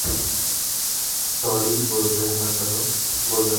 Sorry বলবে না কেন?